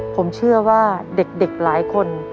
ผมเชื่อว่าเด็กหลายคน